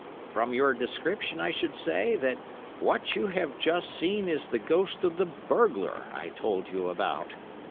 From your description I should say that what you have just seen is the ghost of the burglar I told you about.